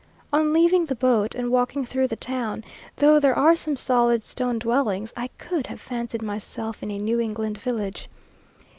On leaving the boat, and walking through the town, though there are some solid stone dwellings, I could have fancied myself in a New England village.